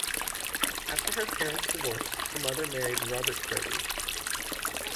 After her parents' divorce, her mother married Robert Derby.